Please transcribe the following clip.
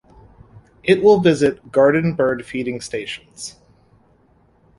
It will visit garden bird feeding stations.